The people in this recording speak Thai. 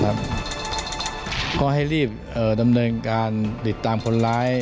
ก็ให้รีบดำเนินการติดตามคนร้าย